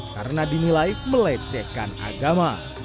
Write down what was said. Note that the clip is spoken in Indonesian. karena dinilai melecehkan agama